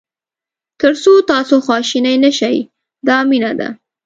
تر څو تاسو خواشینی نه شئ دا مینه ده.